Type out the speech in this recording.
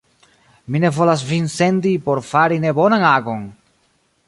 Mi ne volas vin sendi por fari nebonan agon!